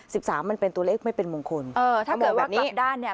สิบสามมันเป็นตัวเลขไม่เป็นมงคลเออถ้าเกิดแบบสิบด้านเนี่ย